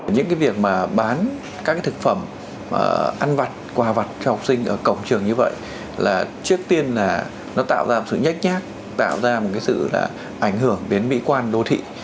những cái việc mà bán các thực phẩm ăn vặt quà vặt cho học sinh ở cổng trường như vậy là trước tiên là nó tạo ra một sự nhách nhác tạo ra một cái sự là ảnh hưởng đến mỹ quan đô thị